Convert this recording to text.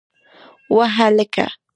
وه هلکه!